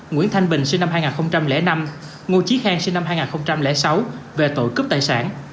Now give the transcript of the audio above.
nguyễn thanh bình sinh năm hai nghìn năm ngô trí khang sinh năm hai nghìn sáu về tội cướp tài sản